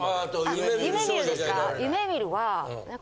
『夢見る』ですか。